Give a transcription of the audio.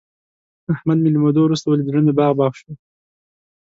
احمد مې له مودو ورسته ولید، زړه مې باغ باغ شو.